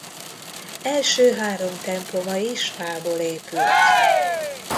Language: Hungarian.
Első három temploma is fából épült.